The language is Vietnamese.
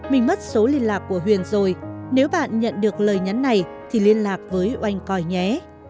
mình mất số liên lạc của huyền rồi nếu bạn nhận được lời nhắn này thì liên lạc với oanh coi nhé